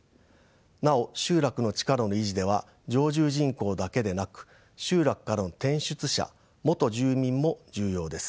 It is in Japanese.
なお集落の力の維持では常住人口だけでなく集落からの転出者元住民も重要です。